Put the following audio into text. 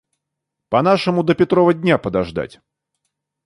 По нашему до Петрова дня подождать.